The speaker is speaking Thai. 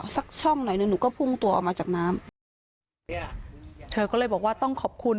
สักช่องหน่อยหนึ่งหนูก็พุ่งตัวออกมาจากน้ำเธอก็เลยบอกว่าต้องขอบคุณ